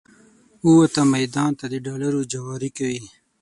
ووته میدان ته د ډالرو جواري کوي